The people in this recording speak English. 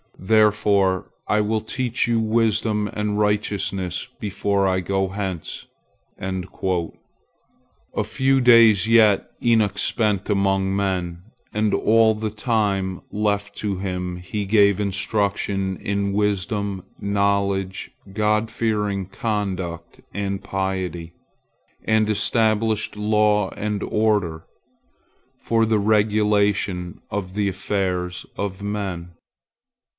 Therefore I will teach you wisdom and righteousness before I go hence." A few days yet Enoch spent among men, and all the time left to him he gave instruction in wisdom, knowledge, God fearing conduct, and piety, and established law and order, for the regulation of the affairs of men.